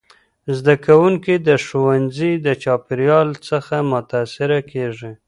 زدهکوونکي د ښوونځي د چاپېریال څخه متاثره کيږي.